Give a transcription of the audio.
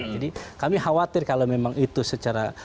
jadi kami khawatir kalau memang itu secara